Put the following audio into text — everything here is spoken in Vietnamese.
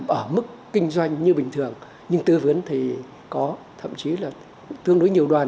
ở mức kinh doanh như bình thường nhưng tư vấn thì có thậm chí là tương đối nhiều đoàn